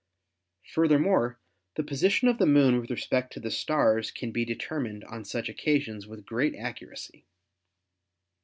Furthermore, the position of the Moon with respect to the stars can be determined on such occasions with great accuracy.